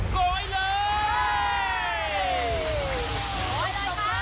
กล้อยเลย